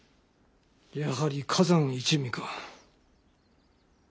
やはり崋山一味か。